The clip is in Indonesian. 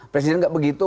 presiden enggak begitu